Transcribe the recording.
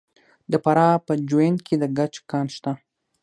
د فراه په جوین کې د ګچ کان شته.